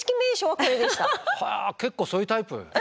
はあ結構そういうタイプ？